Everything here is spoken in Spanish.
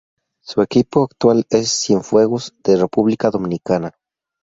Su equipo actual es Cienfuegos de República Dominicana.